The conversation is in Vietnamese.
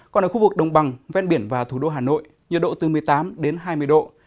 còn ở khu vực đồng bằng ven biển và thủ đô hà nội nhiệt độ từ một mươi tám đến hai mươi độ